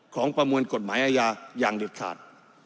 ประมวลกฎหมายอาญาอย่างเด็ดขาด